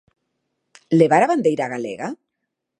Levar a bandeira galega?